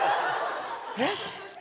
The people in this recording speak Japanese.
えっ？